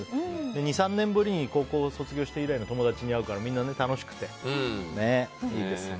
２３年ぶりに高校卒業して以来の友達に会うからみんな楽しくて、いいですね。